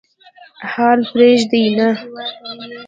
حال پرېږدي نه.